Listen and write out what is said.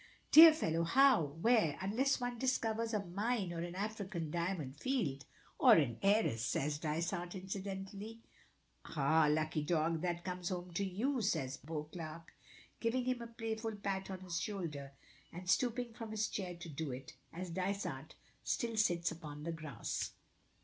"Dear fellow, how? where? unless one discovers a mine or an African diamond field?" "Or an heiress," says Dysart, incidentally. "Hah! lucky dog, that comes home to you," says Beauclerk, giving him a playful pat on his shoulder, and stooping from his chair to do it, as Dysart still sits upon the grass.